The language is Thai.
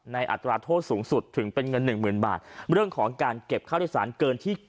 อัตราโทษสูงสุดถึงเป็นเงินหนึ่งหมื่นบาทเรื่องของการเก็บค่าโดยสารเกินที่